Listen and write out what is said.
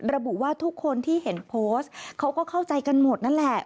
ระบุว่าทุกคนที่เห็นโพสต์เขาก็เข้าใจกันหมดนั่นแหละ